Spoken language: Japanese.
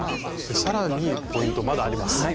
そして更にポイントまだあります。